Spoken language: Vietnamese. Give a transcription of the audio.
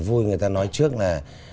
vui người ta nói trước là